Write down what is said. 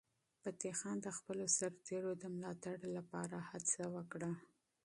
فتح خان د خپلو سرتیرو د ملاتړ لپاره هڅه وکړه.